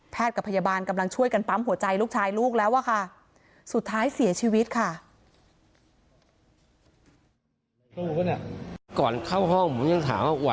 กับพยาบาลกำลังช่วยกันปั๊มหัวใจลูกชายลูกแล้วอะค่ะสุดท้ายเสียชีวิตค่ะ